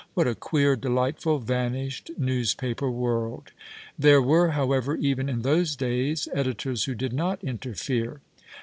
What a queer, delightful, vanished newspaper world ! There were, however, even in those days, editors who did not interfere.